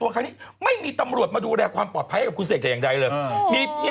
คือตำรวจกล้าเข้าใกล้